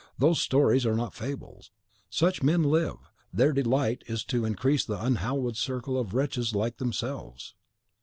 Those stories are not fables. Such men live. Their delight is to increase the unhallowed circle of wretches like themselves.